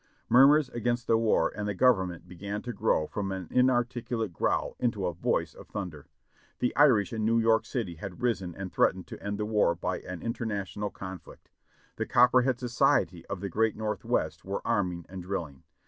Murmurs against the war and the Government be gan to grow from an inarticulate growl into a voice of thunder. The Irish in New York City had risen and threatened to end the war by an international conflict. The Copperhead Society of the great Northwest were arming and drilling.